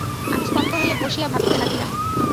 আমি স্তব্ধ হইয়া বসিয়া ভাবিতে লাগিলাম।